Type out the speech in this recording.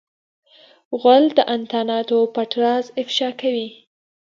غول د انتاناتو پټ راز افشا کوي.